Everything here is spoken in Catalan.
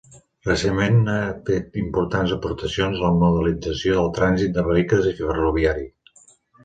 Recentment ha fet importants aportacions a la modelització del trànsit de vehicles i ferroviari.